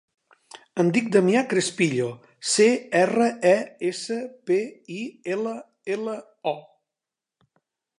Em dic Damià Crespillo: ce, erra, e, essa, pe, i, ela, ela, o.